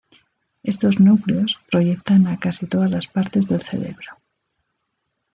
Estos núcleos proyectan a casi todas las partes del cerebro.